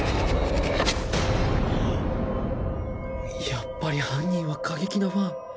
やっぱり犯人は過激なファン。